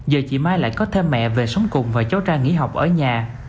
giờ chị mai lại có thêm mẹ về sống cùng và cháu trai nghỉ học ở nhà